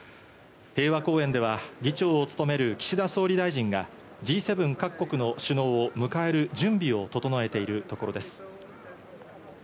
平和公園では議長を務める岸田総理大臣がＧ７各国の首脳を迎える準備を整えているところです。